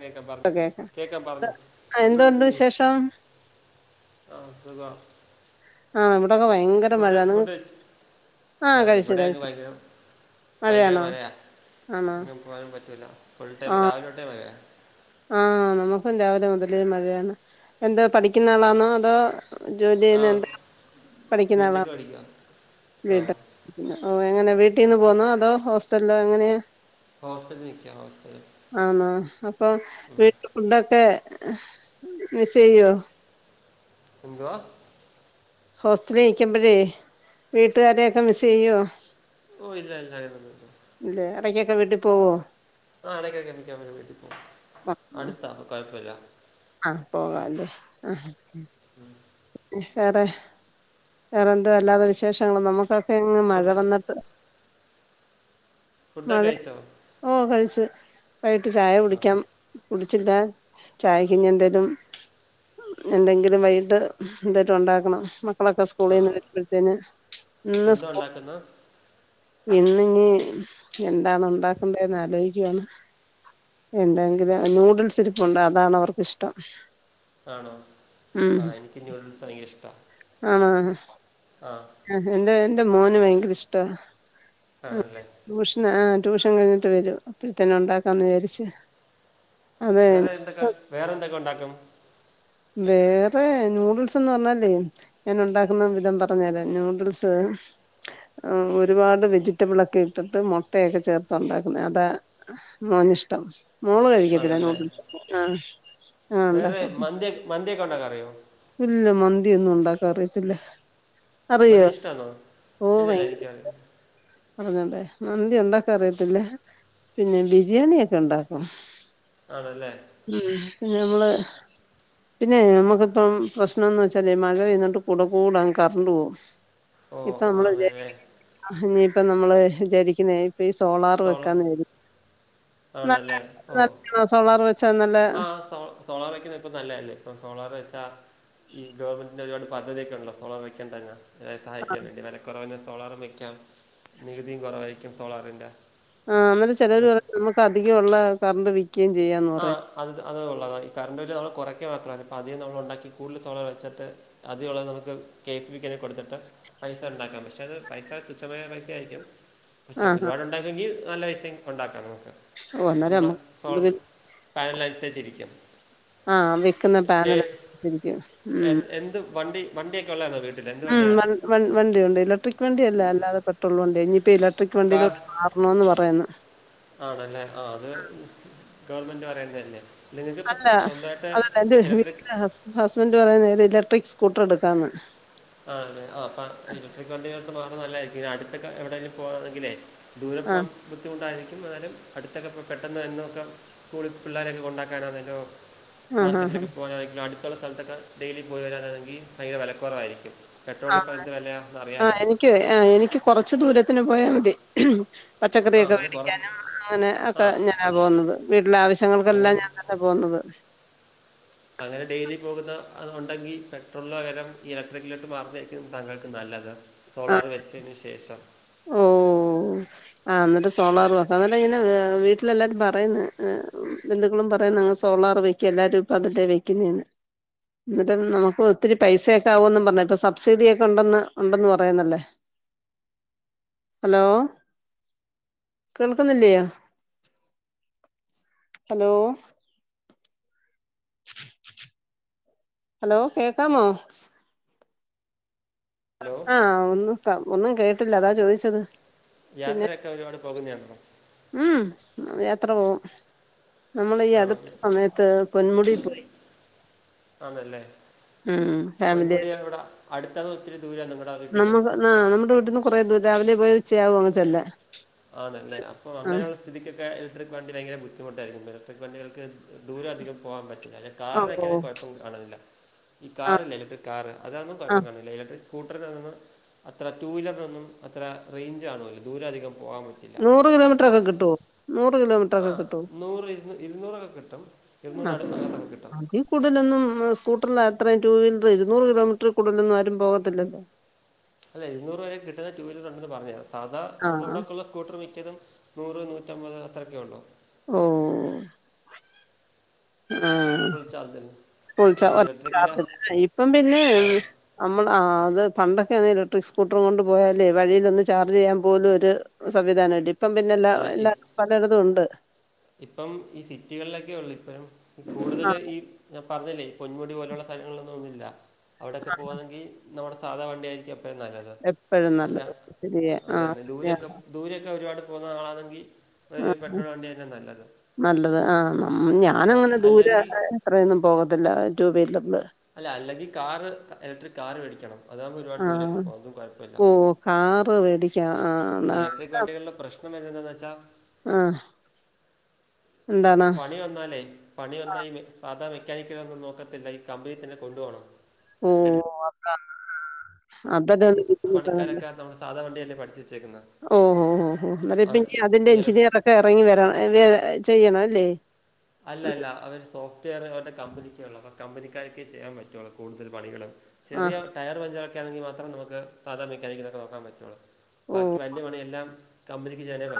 കേക്ക പർഞ്ഞോ കേക്കാം കേക്കാ പർഞ്ഞോ എന്തുണ്ട് വിശേഷം ആ സുഖാ ആഹ ഇവിടൊക്കെ ഭയങ്കര മഴ ഫുഡ് നിങ്ങക്ക് ആഹ കഴിച്ചു കഴിച്ചു ഹെ ഹോ മഴയാണോ ആന്നോ പോരാൻ പറ്റൂല ഫുൾ ടൈം രാവിലെ തൊട്ടെ മയെ ആ... നമുക്കും രാവിലെ മുതലേ മഴയാണ് എന്താ പഠിക്കുന്ന ആളാണോ അതോ ജോലി ആ ചെയ്യുന്ന എന്താ പഠിക്കുന്ന ആളാ ബിടെക് പഠിക്കുക ആ വീട്ട ഓ എങ്ങനെ വീട്ടിന്ന് പോന്നോ അതോ ഹോസ്റ്റലോ എങ്ങനെയാ ഹോസ്റ്റലി നിക്ക ഹോസ്റ്റല് ഇപ്പൊ വീട്ട് ഫുഡൊക്കെ മിസ് ചെയ്യോ എന്തുവാ ഹോസ്റ്റലിൽ നിക്കുമ്പോഴെ വീട്ടുകാരെയൊക്കെ മിസ്സ് ചെയ്യോ ഓ ഇല്ല ഇല്ല അങ്ങനൊന്നുല്ല ഇടക്കൊക്കെ വീട്ടി പോവോ ആ ഇടയ്ക്കൊക്കെ അവന്റെ വീട്ടിൽ പോകും അടുത്ത കൊയപ്പില്ല ആഹ് പോകല്ലേ ആ [unintelligible] വേറെ വേറെന്തുവാ അല്ലാതെ വിശേ വിശേഷങ്ങൾ നമുക്കൊക്കെയങ്ങ് മഴ ഫുഡ് വന്നിട്ട് ഫുഡൊക്കെ മതി കഴിച്ചോ ഓ കഴിച്ച് വൈകിട്ട് ചായ ആ കുടിക്കാം കുടിച്ചില്ല ചായക്കിനി എന്തേലും എന്തെങ്കിലും വൈകിട്ട് എന്തേലും ഉണ്ടാക്കണം മ മക്കളൊക്കെ ആ സ്കൂളിന്ന് വരുമ്പഴത്തേന് ഇന്ന് സ് എന്തോ ഉണ്ടാക്കുന്ന ഇന്ന് ഇനി എന്താണ് ഉണ്ടാക്കേണ്ടെന്ന് ആലോചിക്കുവയാണ് എന്തെങ്കിലും നൂഡിൽസ് ഇരിപ്പുണ്ട് അതാണ് അവർക്ക്ഷ്ടം ആണോ ആ എനിക്ക് ന്യൂഡിൽസ് ഭയങ്കര ഇഷ്ടാ ആണാ ആഹ് ആഹ് എന്റെ എന്റെ മോന് ഭയങ്കര ഇഷ്ടാ ആണല്ലേ ട്യൂഷന ആഹ് ട്യൂഷൻ കഴിഞ്ഞിട്ട് വരും അപ്പഴത്തന്നെ ഉണ്ടാക്കാന്ന് വിചാരിച് വേറെ എന്തൊക്കെ വേറെ എന്തൊക്കെ ഉണ്ടാക്കും വേറെ നൂഡിൽസ്ന്ന് പർഞ്ഞാലേ ഞാൻ ഉണ്ടാക്കുന്ന വിധം പറഞ്ഞര ന്യുഡിൽസ് ഒരുപാട് വെജിറ്റബിളൊക്കെ ഇട്ടിട്ട് മുട്ടയൊക്കെ ചേർത്ത് ഉണ്ടാക്കുന്നത് അതാ മോനിഷ്ടം മോള് കഴിക്കത്തില്ല ആണല്ലേ ന്യുഡിൽസ് ആ ആാാ വേറെ ഉണ്ടാക്കും മന്തി മന്തിയൊക്കെ ഉണ്ടാക്കാൻ അറിയോ ഇല്ല മന്തിയൊന്നും ഉണ്ടാക്കാനറിയത്തില്ല മന്തിഷ്ട്ടാണോ ഓ ഇല്ലല്ല ഭയങ്കര എനിക്ക് പറഞ്ഞോട്ടെ മന്തി ഉണ്ടാക്കാൻ അറിയത്തില്ലേ പിന്നെ ബിരിയാണി ഒക്കെ ഉണ്ടാക്കും ആണല്ലേ ഉം പിന്നെ നമ്മള് പിന്നെ നമ്മുക്കിപ്പം പ്രശ്നംന്ന് വച്ചാല് മഴ പെയ്യുന്നോണ്ട് കൂടെ കൂടങ്ങ് കറണ്ട് പോകും ഓ ഇപ്പൊ നമ്മള് ആണല്ലേ വിചാരിക്കുന്ന ആഹ് ഇനിയിപ്പ നമ്മള് വിചാരിക്കുന്ന ഇപ്പ ഈ സോളാർ സോളോ വെക്കാന്ന് കരുതി നല്ല ആണല്ലേ നല്ലായണോ സോളറ് വെച്ച ആഹ് അഹ് സോ സോളാർ വെക്കുന്ന ഇപ്പ നല്ലല്ലേ ഇപ്പ സോളാർ വെച്ചാ ഈ ഗവൺെന്റിന്റെ ഒരുപാട് പദ്ധതിയൊക്കെ ഉണ്ടല്ലോ സോളാറ് വെക്കാൻ തന്നെ സഹായിക്കാൻ പറ്റും വെല കൊറവിന് സോളാറും വയ്ക്കാം നികുതിയും കുറവായിരിക്കും സോളാറിൻ്റെ ആഹ് അന്നിട്ട് ചിലര് പറയും നമുക്ക് അധികള്ള കറണ്ട് വിൽക്കുകയും ചെയ്യാന്ന് ആ പറ അത് അത് ഒള്ളതാ ഈ കറണ്ട് ബില്ല് നമ്മ കുറക്ക മാത്രല്ല ഇപ്പോം അധികം നമ്മൾ ഉണ്ടാക്കി കൂടുതൽ സമയം വെച്ചിട്ട് അധികം ഉള്ളത് നമുക്ക് കെ എസ് ഇബിക്ക് കാരെ കൊടുത്തിട്ട് പൈസ ഉണ്ടാക്കാം പക്ഷെ അത് പൈസ തുച്ഛമായ പൈസ ആയിരിക്കും ക്ഷെ ആഹ് ഒരുപാട് ഉണ്ടാരുങ്കിൽ നല്ല ഡിസൈൻ ഉണ്ടാക്കാം നമുക്ക് ഒന്നരമ്മ [unintelligible] ചിരിക്കും ആഹ് വെക്കുന്ന പാനലായിരിക്കും ഉം എൻ- എന്ത് വണ്ടി വണ്ടിയൊക്കെള്ളതാണോ അവ ഉം വ വ വണ്ടി ഒണ്ട് ഇലക്ട്രിക് വണ്ടിയല്ലാതെ അല്ലാതെ പെട്രോൾ വണ്ടിയാ ഇനിയിപ്പ ഇല ക്ക് കാർ വണ്ടിയിലോട്ട് മാറണോന്ന് പറയന്ന് ആണല്ലേ ആഹ് അത് ഗവൺമെന്റ് പറയുന്നതല്ലേ നിങ്ങക്കിപ്പ അല്ല സ്വ സ്വന്തമാട്ട് ഇലക്ട്രിക് ഹസ്ബൻ്റ് പറയുന്നത് ഒരു ഇലക്ട്രിക് സ്കൂട്ടർ എടുക്കാന്ന് ആതെ ആഹ് അപ്പ ഇലക്ട്രിക് വണ്ടിക്ക് ബാധകമല്ല ഈ അടുത്തൊക്കെ എവിടെങ്കിലും പോണെമെങ്കിലേ ആഹ് ദൂരപ്പം ബുദ്ധിമുണ്ടായിരിക്കും എന്നാലും അടുത്തൊക്കെ ഇപ്പോ പെട്ടെനെ നോക്കാം സ്കൂളിൽ പിള്ളാരെയൊക്കെ കൊണ്ടാക്കാനാന്നല്ലോ ആഹ് ആഹ് മാർക്കറ്റിലൊക്കെ പോകാനണെങ്കിലും അടുത്തുള്ള സ്ഥലത്തൊക്കെ ഡെയിലി പോയി വരാനാങ്കിൽ ഭയങ്കര വിലക്കുറവായിരിക്കും ആഹ് പെട്രോളിനിപ്പ എന്ത് വിലയാ എന്ന് ആഹ് അറിയാലോ എനിക്ക് ആഹ് എനിക്ക് കുറച്ച് ദൂരത്തിന് പോയാ മതി ആ പച്ചക്കറിയൊക്കെ അങ്ങനെ കുറച്ച് മേടിക്കാനും അങ്ങനെ ആ ഒക്കെ ഞാനാ പോന്നത് വീട്ടിലെ ആവശ്യങ്ങൾക്കെല്ലാം അങ്ങനെ ഞാനാ പോന്നത് അങ്ങനെ ഡെയിലി പോകുന്ന അത് ഒണ്ടെങ്കി പെട്രോളിന് പകരം ഇലക്ട്രിക്കിലോട്ട് മാറുന്നതാരിക്കും താങ്കൾക്ക് നല്ലത് ആഹ് സോളാറ് വെച്ചതിന് ശേഷം ഓഹ് ആഹ് എന്നിട്ട് സോളാർ വെക്കാ അന്നിട്ട് ഇങ്ങനെ വീട്ടിലെല്ലാരും പറയുന്നു ബന്ധുക്കളും പറയ്ന്ന് സോളാർ വെ എല്ലാരുംപ്പ അതാല്ലേ വെക്കുന്നേന്ന് എന്നിട്ട് നമുക്ക് ഒത്തിരി പൈസയൊക്കെ ആകുന്നും പറഞ്ഞ് ഇപ്പൊ സബ്സിഡിയൊക്കെ ഉണ്ടെന്ന് ഉണ്ടന്ന് പറയുന്നല്ലേ ഹലോ കേൾക്കുന്നില്ലയോ ഹലോ ഹലോ കേക്കാമോ ഹലോ ആഹ് ഹാ ഒന്നും ഒന്നും കേട്ടില്ല അതാ ചോദിച്ചത് പിന്നെ യാത്രയൊക്കെ ഒരുപാട് പോകുന്നയാണോ ഉം യാത്ര പോകും നമ്മളീ അടുത്ത ആണോ സമയത്ത് പൊന്മുടി പോയി ആണല്ലേ ഉം പൊൻമുടി ഫാമിലിയായിട്ട് എവിടാ അടുത്തിന്നോ ഒത്തിരി ദൂരയാന്നോ നിങ്ങ നമ്മുക്ക് ന നമ്മടെ വീട്ടീന്ന് കൊറേ ദൂരം രാവിലെ പോയാ ഉച്ചയാവും അങ്ങ് ചെല്ലാൻ ആണല്ലേ അപ്പൊ അങ്ങനെയുള്ള സ്ഥിതിക്കൊക്കെ ഇലക്ട്രിക് വണ്ടി ഭയങ്ക ബുദ്ധിമുട്ടായിരിക്കും ഇലക്ട്രിക് വണ്ടികൾക്ക് ദൂരം അധികം പോകാൻ പറ്റില്ല അല്ലേ ആ ഓ കാറിനൊക്കെ കുഴപ്പം കാണുന്നില്ല ഈ ആ കാറില്ലേ ഇലക്ട്രിക് കാർ അതാമ്പം ആ കുഴപ്പം കാണില്ല ഇലക്ട്രിക് സ്കൂട്ടറിൽ നിന്ന് അത്ര ടു വീലറിനൊന്നും അത്ര റേഞ്ച് കാണൂല ദൂരം അധികം പോകാൻ പറ്റു ഇല്ല നൂറ് കിലോമീറ്റർ ആ ഒക്കെ കിട്ടുവോ നൂറ് കിലോമീറ്റർ ഒക്കെ ആഹ് കിട്ടുവോ നൂറ് ഇരുന്നൂറൊക്കെ കിട്ടും ആഹ് ഇരുന്നൂറിന് അടുത്തൊക്കെ കിട്ടും അതി കൂടുതലൊന്നും സ്കൂട്ടറിൽ അത്രയും ടു വീലർ ഇരുന്നൂറ് കിലോമീറ്റർ കൂടുതലൊന്നും ആരും പോകത്തില്ലല്ലോ? അതെ ഇരുന്നൂറ് വരെ കിട്ടുന്ന ടു വീലർ ഉണ്ടെന്ന്ന്ന് പറഞ്ഞത സാധാ ആ നമ്മെള ഇവിടെക്കുള്ള സ്കൂട്ടർ മിക്കതും. നൂറ് നൂറ്റമ്പത് അത്രയൊക്കെഒള്ളു ഓഹ് ഫുൾ [unintelligible] ചാർജിന് പിന്നെ ഈ ഇലക്ട്രിക്കിൻ്റെ ഇപ്പം പിന്നെ ആ നമ്മൾ ആ അത് പണ്ടൊക്കെ ഇലക്ട്രിക് സ്കൂട്ടറും കൊണ്ട് പോയാലേ വഴിലൊന്ന് ചാർജ് ചെയ്യാൻ പോലും ഒരു സംവിധാനണ്ട് ഇപ്പം പിന്നെ എല്ലാ അല്ല എല്ലാ ഇപ് പലയിടതുഉണ്ട്. ഇപ്പം ഈ സിറ്റികളിലൊക്കെ ഉള്ളൂ ഇപ്പം കൂടുതൽ ആ ഈ പറഞ്ഞില്ലേ ഈ പൊന്മുടി പോലെയുള്ള സ്ഥലങ്ങളൊന്നും ഒന്നുമില്ല അവിടെയൊക്കെ പോവാണെങ്കി നമ്മുടെ സാധാ വണ്ടിയായിരിക്കും എപ്പഴും നല്ലത് എപ്പഴും അല്ല നല്ലത് ശരിയാ അത് ആ തന്നെ ശരിയാ ദൂരൊക്കെ ദൂരൊക്കെ ഒരുപാട് പോകുന്ന ആളാണെങ്കിൽ ഒരു ആ പെട്രോൾ വണ്ടി. തന്നെ നല്ലത് നല്ലത് ആഹ നമ്മ ആ ഞാനങ്ങനെ ദൂര അല്ലെങ്കിൽ അത്രയൊന്നും പോകത്തില്ല ടൂ വീലറില് അല്ല അല്ലെങ്കിൽ കാറ് ഇലക്ട്രിക് കാറ് മേടിക്കണം. അതാകുമ്പോ ഒരുപാട് ആ ദൂരൊക്കെ പോകിം ഒന്നും കൊഴപ്പമില്ല ഓ കാറ് വേടിക്കാ ആ പിന്നെ ആ [unintelligible] വണ്ടികളുടെ പ്രശ്നം എന്തെന്നച്ചാ. ആ എന്താണ് പണി വന്നാലേ? പണി ആ വന്ന ഈ സാധാ മെക്കാനി കൊന്നും നോക്കത്തില്ല ഈ കമ്പനി തന്നെ കൊണ്ടു പോണം. ഉംഹ് നോക്കാം ആഹ് അത് അത് ആ പണിക്കാരൊക്കെ നമ്മളെ സാധാ വണ്ടി അല്ലേ പഠിച്ച് വെച്ചേക്കുന്നെ. ഉം ഉം അന്നേരം ഇപ്പം അതിന്റെ ഈ എഞ്ചിനീയർ ഇലക്ട്രിക് ഒക്കെ ഇറങ്ങി വരാ വെ ചെയ്യണം അല്ലേ. അല്ല അല്ല അവര് സോഫ് [unintelligible] കമ്പിനിക്കേ ഉള്ളൂ അവ കമ്പനിക്കാർക്കെ ചെയ്യാൻ പറ്റുവോള്ളൂ കൂടുതൽ പണികളും ചെറിയ ആഹ് ടയർ പഞ്ചറൊക്കൊണെങ്കിൽ മാത്രേ നമുക്ക് സാധാ മെക്കാനിക്കിനൊക്കെ നോക്കാൻ പറ്റുള്ളൂ ബാക്കി ഓഹ് വലി പണിയെല്ലാം. കമ്പനിക്ക് ചെയ്യാനെ പറ്റു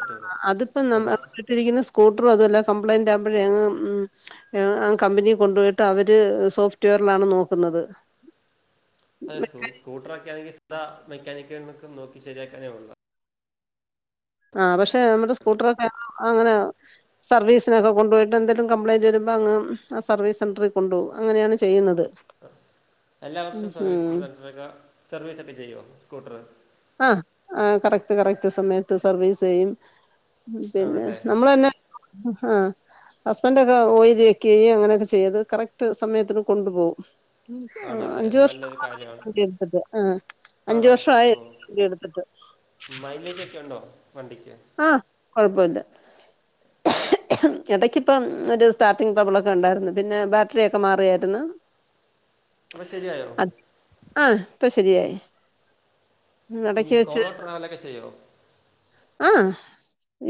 അതിപ്പം നമ്മട്ടിരിക്കുന്ന സ്കൂട്ടറും അതല്ലേ കംപ്ലൈയിന്റ് ആവുമ്പോഴേങ്ങ് ഉം കമ്പനി കൊണ്ടുപോയിട്ട് അവര് സോഫ്റ്റവെയറിലാണ് നോക്കുന്നത്. അതെ സ്കൂട്ടർക്കാണെങ്കിൽ സാധാ മെക്കാനിക്ക് നോക്കി ശരിയാക്കാനേ ഉള്ളൂ. ആഹ് പക്ഷെ നമ്മുടെ സ്കൂട്ടറൊക്കെ അങ്ങനെ സർവീസിനൊക്കെ കൊണ്ടു പോയിട്ട് എന്തെങ്കിലും കംപ്ലയിന്റ് വരുമ്പോ അങ് സർവീസ്ന്ററിൽ കൊണ്ടുപോവും അങ്ങനെയാണ് ചെയ്യുന്നത്. എല്ലാവർഷവും ഉം സർവീസ് സെന്ററിൽ സർവീസൊക്കെ ചെയ്യോസ്കൂട്ടറ് ആഹ് ആഹ് കറക്റ്റ് കറക്റ്റ് സമയത്ത് സർവീസ് ചെയ്യും. ഉം പിന്നെ ആണല്ലേ നമ്മളെന്നെ ആഹ് ഹസ്ബൻഡ് ഒക്കെ ഓയില് ചെക്ക്ചെയ്യേം അങ്ങനെയൊക്കെ ചെയ്ത് കറക്റ്റ് സമയത്തിന് കൊണ്ടു പോകും. ആണല്ലേ അഞ്ച് നല്ലൊരു വർഷായി കാര്യമാണ് വണ്ടിഎടുത്തിട്ട് ആഹ് അഞ്ച് വർഷായി വണ്ടിഎടുത്തിട്ട് മൈലേജൊക്കെ ഉണ്ടോ വണ്ടിക്ക്. ആഹ് കൊഴപ്പോല്ല ഇടക്കിപ്പം ഒരു സ്റ്റാർട്ടിങ് ട്രബിളൊക്കെ ഉണ്ടായിരുന്നു പിന്നെ ബാറ്ററിയൊക്കെ മാറിയായിരുന്നു. അപ്പൊ ശരിയായോ? ആഹ് ഇപ്പൊ ശരിയായി. ഈ എടക്ക് വെച്ച് സോളോ ട്രാവലൊക്കെ ചെയ്യോ? ആഹ്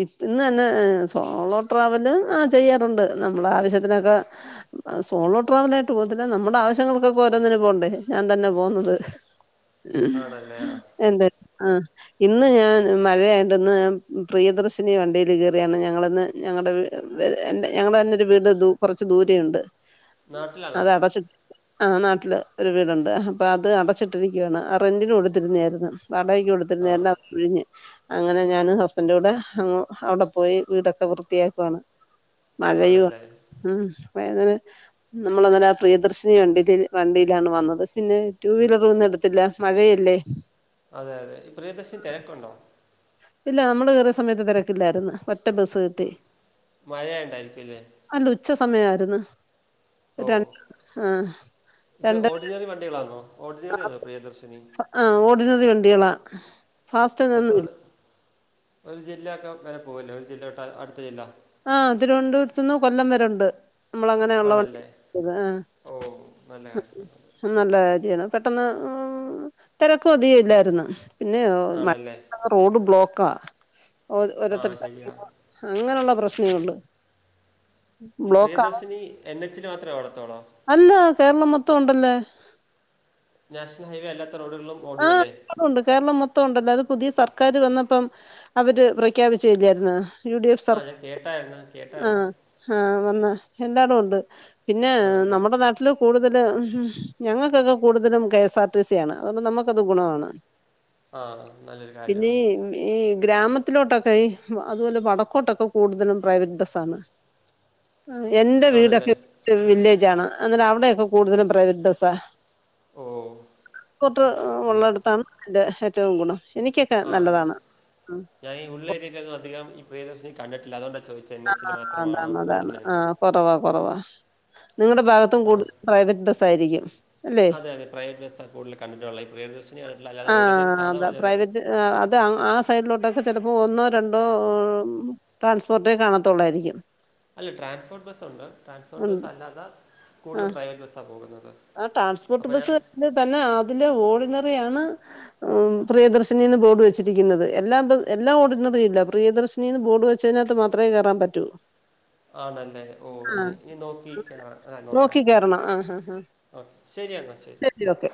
ഇന്ന്തന്നെ സോളോ ട്രാവല് ആ ചെയ്യാറുണ്ട് നമ്മളെ ആവശ്യത്തിനൊക്കെ. സോളോ ട്രാവല ആയിട്ട് പോകത്തില്ല നമ്മുടെ ആവശ്യങ്ങൾക്കൊക്കെഓരോന്നിന് പോകണ്ടേ ഞാൻ തന്നെ പോകുന്നത്. ആണല്ലേ ആ [unintelligible] ആ ഇന്ന് ഞാൻ മഴയാ ടെന്ന് പ്രിയദർശിനി വണ്ടിയിൽ കയറിയാണ് ഞങ്ങളിന്ന് ഞങ്ങളുടെ ഞങ്ങളുടെ തന്നൊരു വീട് ദൂ കൊറച്ച് ദൂരെ ഉണ്ട് നാട്ടിലാണോ അത് അടച്ചിട്ടി ആഹ് നാട്ടില് ഒരു വീടുണ്ട് അപ്പൊ അത് അടച്ചിട്ടിരിക്കുവാണ് ആ റെന്റിന് കൊടുത്തിരുന്നായിരുന്നു വാടകക്ക് കൊടു ആ [unintelligible] അങ്ങനെ ഞനും ഹസ്ബൻഡുടെ അങ്ങ് അവിടെ പോയി വീടൊക്കെ വൃത്തിയാക്കുവാണ്. മഴയും ആണല്ലേ ഉം വേങ്ങല് നമ്മളിന്നലെ ആ പ്രിയദർശിനി വണ്ടില് വണ്ടിയിലാണ് വന്നത് പിന്നെ ടു വീലറ് ഒന്നും എടുതീല്ല.. മഴയല്ലേ. അതെ യതെ ഈ പ്രിയദർശൻ തെരക്കുണ്ടോ? ഇല്ല നമ്മള് കേറിയ സമയത്ത് തിരക്കില്ലാരിന്ന് ഒറ്റ ബസ് കിട്ടി മ- മഴയുണ്ടായിരിക്കും അല്ലേ അല്ല ഉച്ച സമയായിരുന്ന്. ഓഹ് ത് രണ്ട് ഓർഡിനറി വണ്ടികളാണോ ഓർഡിനറി ആണോ പ്രിയദർശിനി ആഹ് ഓഡിനറി വണ്ടികളാ. ഫാസ്റ്റ് ഒന്നും എത്ര ഇല്ല ത ഒരു ജില്ല ഒക്കെ വരെ പോവല്ലേ ഒരു ജില്ലോട്ട അടുത്ത ജില്ല. ആഹ് തിരുവനന്തപുരത്തുന്ന് കൊല്ലം വരെ ണ്ട് നമ്മള അങ്ങനെ ആള്ളോ വണ്ടി ആണല്ലേ ആഹ് ഓ നല്ല കാര്യം നല്ല കാര്യാണ് പെട്ടെന്ന് ഉം തിരക്കു അതിക ല്ലായിരുന്നു. പിന്നേ ആണല്ലേ മഴന്ന് റോഡ് ബ്ലോക്കാ ഓ ആ ഓരോരുത്തട്ത്ത് ശരിയാ അങ്ങനൊള്ള പ്രശ്നേ ഒള്ള് ഇ പ്രിയദർശിനി എൻ എചിൽ മാത്രേ ഓടത്തോളോ? അല്ലാ കേരളം മൊത്തം ണ്ടല്ലാ. നാഷണൽ ഹൈവേ അല്ലാത്ത റോഡുകളും ഓടൂ അല്ലേ? ത്തം ഉണ്ട് കേരളം മൊത്തംണ്ടല്ലോ അത് പുതിയ സർക്കാര് വന്നപ്പം അവര് പ്രഖ്യാപിച്ച ഇല്ലായിരുന്നാ.. യു ഡി എഫ് സർ ആ ഞാൻ കേട്ടായിരുന്നു കേട്ടായിരുന്നു ആഹ് ആഹ് വന്ന് എല്ലാടോണ്ട് പിന്നേ ആണല്ലേ നമ്മുടെ നാട്ടിൽ ല് കൂടുതല് ഹ് ഹ് ഞങ്ങൾക്കൊക്കെ കൂടുതലും കെഎസ് ആർ ടി സി ആണ് അതുകൊണ്ട് നമ്മക്കത് ഗുണാണ്. ആഹ് നല്ലൊരു കാര്യാണ്. ഈ ഗ്രാമത്തിലോട്ടൊക്കെ ഈ അതുവല്ല വടക്കോട്ടൊക്കെ കൂടുതലും പ്രൈവറ്റ് ബസ്സാണ്. എന്റെ ആണല്ലേ വീടൊക്കെ ചെറു വില്ലേജ് ആണ് അന്നേര അവിടെക്കെ കൂടുതലു പ്രൈവറ്റ് ബസ്സ- ഓഹ് ആഹ് ഉള്ളടത്താണ് അൻ്റെ ഏറ്റവും ഗുണം എനിക്കൊക്കെ ആഹ് നല്ലതാണ്. യെസ് ഉം ഞാ ഈ ഉള്ള ഏരീലൊന്നും അധികം ഈ പ്രിയദർശിനി കണ്ടിട്ടില്ല അതുകൊണ്ട് ചോയ്ച്ചേ എൻ എച്ചില് ആഹ് മാത്രമാണോ അതാണ് അതാണ് ഓടുന്നേന്ന്? ആഹ് കൊറവാ കൊറവാ നിങ്ങടെ ഭാഗ പ്പം ആ കൂടുൽ പ്രൈവറ്റ് ബസ് ആയിരിക്കും അല്ലെ? അതെ അതെ പ്രൈവറ്റ് ബസ്സാണ് കൂടുതൽ കണ്ടിട്ടുള്ളത് ഈ പ്രിയദർശിനി കണ്ടിട്ടില്ല അല്ലാതെ ഓർഡിനറി ആഹ് സാധാ അത ഓർഡിനറി പ്രൈവറ്റ് ആഹ് അത് ആ സൈഡിലോട്ടൊക്കെ ചിലപ്പോൾ ഒന്നോ രണ്ടോ ട്രാൻസ്പോർ ദേ കാണത്തൊള്ളായിരിക്കും. അല്ല ട്രാൻസ്പോർട്ട് ബസ്ണ്ട് ട്രാൻസ്പോർട്ട് ബസ് ഉണ്ട് അല്ലാത ആ കൂടുതൽ പ്രൈവറ്റ് ബസ്സാ പോകുന്നത്. ആ ട്രാൻസ്പോർട്ട് അപ്പോൾ ഞാൻ ബസ് തന്നെ അതില് ഓർഡിനറി ആണ് ഉം പ്രിയദർശിനീന്ന് ബോർഡ് വെച്ചിരിക്കുന്നത് എല്ലാം എല്ലാ ഓർഡിനറിയില്ല പ്രിയദർശി നീന്ന് ബോഡു വെച്ചീനകത്ത് മാത്രേ ക കേറാൻ പറ്റൂ. ആണല്ലേ ഓ അ ആ നീ നോക്കിയിരിക്ക ആന്നൊ നോക്കി കേറണം ആഹ് ഹാ ഹാ. അഹ് ശരി എന്നാ ശരി ശരി ഓക്കെ.